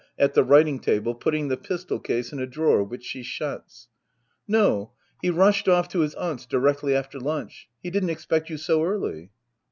[At the fvriting table, putting the pistol case in a drawer which she shidsJ] No. He rushed off to his aunt's directly after lunch ; he didn't expect you so early.